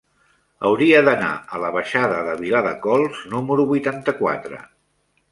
Hauria d'anar a la baixada de Viladecols número vuitanta-quatre.